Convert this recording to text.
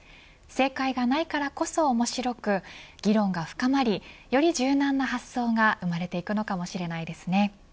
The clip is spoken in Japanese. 正解がないからこそ、面白く議論が深まり、より柔軟な発想が生まれていくのかもしれないですね。